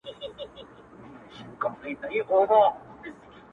• ځوان د تکي زرغونې وني نه لاندي.